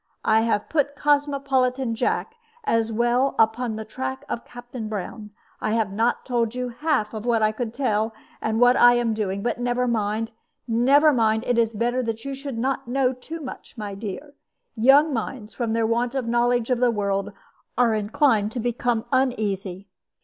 I have put Cosmopolitan Jack as well upon the track of Captain Brown. I have not told you half of what I could tell, and what I am doing; but never mind, never mind; it is better that you should not know too much, my dear. Young minds, from their want of knowledge of the world, are inclined to become uneasy.